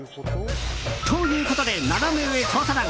ということでナナメ上調査団！